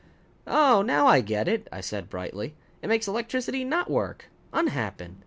"Oh, now I get it," I said brightly. "It makes electricity not work unhappen.